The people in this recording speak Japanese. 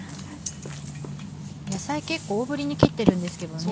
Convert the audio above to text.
野菜結構大ぶりに切ってるんですけど。